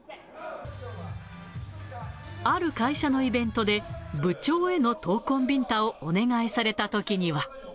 ある会社のイベントで、部長への闘魂ビンタをお願いされたときには。